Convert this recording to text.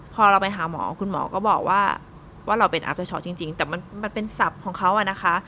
พอเราไปหาหมอคุณหมอก็บอกว่าว่าเราเป็นจริงจริงแต่มันมันเป็นสับของเขาอะนะคะ